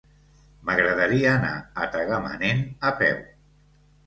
M'agradaria anar a Tagamanent a peu.